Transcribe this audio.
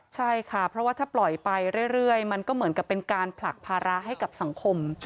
ใช่ค่ะเพราะว่าถ้าปล่อยไปเรื่อยมันก็เหมือนกับเป็นการผลักภาระให้กับสังคม